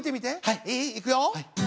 いい？いくよ。